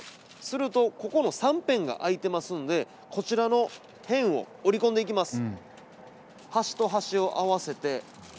するとここの３辺が空いていますんでこちらの辺を折り込んでいきます。